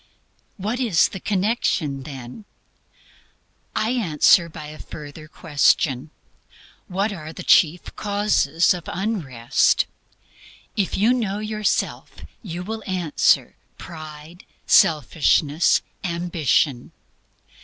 What is the connection, then? I answer by a further question. WHAT ARE THE CHIEF CAUSES OF UNREST? If you know yourself, you will answer Pride; Selfishness, Ambition.